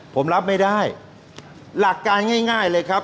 ผมรับไม่ได้หลักการง่ายเลยครับ